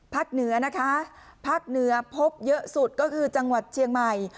เหนือนะคะภาคเหนือพบเยอะสุดก็คือจังหวัดเชียงใหม่